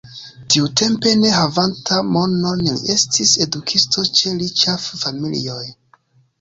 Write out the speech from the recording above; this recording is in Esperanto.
Tiutempe ne havanta monon li estis edukisto ĉe riĉaj familioj.